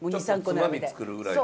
ちょっとつまみ作るぐらいの。